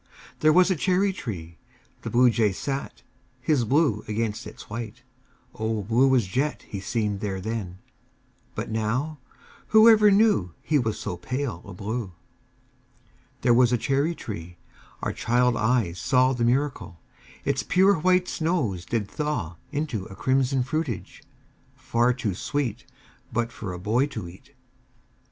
There was a cherry tree. The Bluejay sat His blue against its white O blue as jet He seemed there then! But now Whoever knew He was so pale a blue! There was a cherry tree our child eyes saw The miracle: Its pure white snows did thaw Into a crimson fruitage, far too sweet But for a boy to eat.